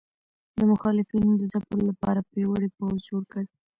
د مخالفینو د ځپلو لپاره پیاوړی پوځ جوړ کړ.